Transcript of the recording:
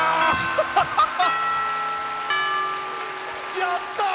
やった！